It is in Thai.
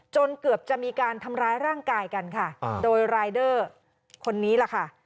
เกือบจะมีการทำร้ายร่างกายกันค่ะโดยรายเดอร์คนนี้แหละค่ะ